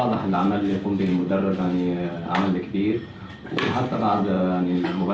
pada saat ini kita mencoba untuk mengembangkan ini dan mencapai hasil yang baik